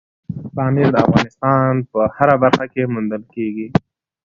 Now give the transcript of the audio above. پامیر د افغانستان په هره برخه کې موندل کېږي.